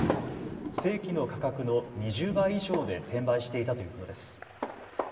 正規の価格の２０倍以上で転売していたということです。